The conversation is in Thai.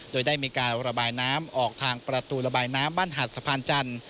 โดยได้มีการระบายน้ำออกทางประตูระบายน้ำบ้านหาดสะพานจันทร์